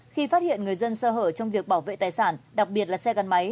khi phát hiện người dân sơ hở trong việc bảo vệ tài sản đặc biệt là xe gắn máy